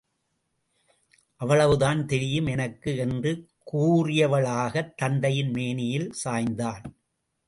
அவ்வளவுதான் தெரியும் எனக்கு! என்று கூறியவளாகத் தந்தையின் மேனியில் சாய்ந்தாள்.